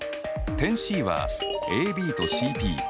点ＣはＡＢとＣＰ。